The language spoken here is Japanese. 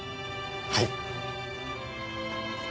はい。